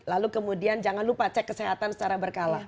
lalu kemudian jangan lupa cek kesehatan secara berkala